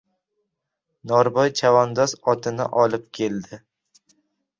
Norboy chavandoz otini olib keldi.